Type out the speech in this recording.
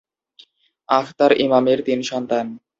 আখতার ইমামের তিন সন্তান।